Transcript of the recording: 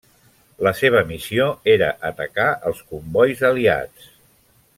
La seva missió era atacar els combois aliats.